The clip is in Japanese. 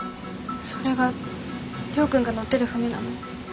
それが亮君が乗ってる船なの？